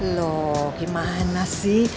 loh gimana sih